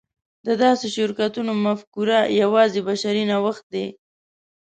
د داسې شرکتونو مفکوره یو بشري نوښت دی.